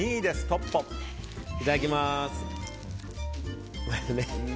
いただきます。